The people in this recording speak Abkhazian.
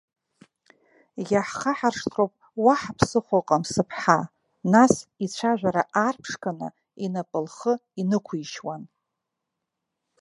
Иаҳхаҳаршҭроуп, уаҳа ԥсыхәа ыҟам, сыԥҳа, нас, ицәажәара аарԥшқаны, инапы лхы инықәишьуан.